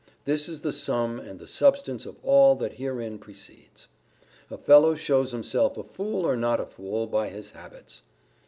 This is the sum and the substance of all that herein precedes. A fellow shows himself a fool or not a fool by his habits.